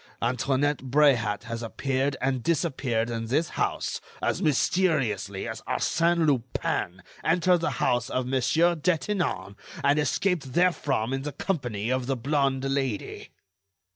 Antoinette Bréhat has appeared and disappeared in this house as mysteriously as Arsène Lupin entered the house of Monsieur Detinan and escaped therefrom in the company of the blonde lady."